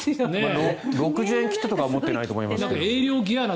６０円切手とかは持っていないと思いますが。